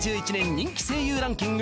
人気声優ランキング